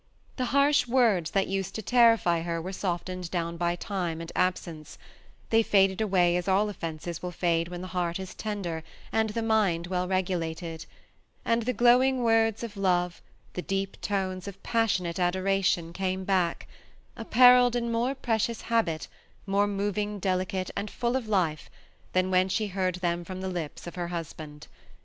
The harsh words that used to ter rify her were softened down by time and absence ; they faded away as all offences will fade when the heart is tender and the mind well regulated ; and the glowing words of love, the deep tones of passionate adoration, came back —*' Apparelled in more preoions habit, More moving delicate, and full of life," 248 THE SEMI ATTACHED COUPLE. than when she heard them from the lips of her husband.